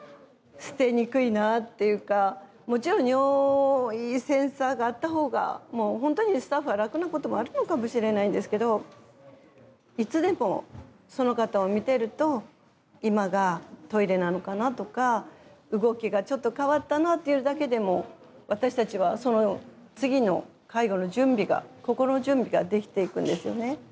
もちろん尿意センサーがあった方が本当にスタッフは楽なこともあるのかもしれないんですけどいつでもその方を見てると今がトイレなのかなとか動きがちょっと変わったなっていうだけでも私たちはその次の介護の準備が心の準備ができていくんですよね。